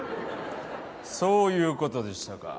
そういう事でしたか。